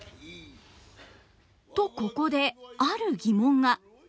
とここである疑問が。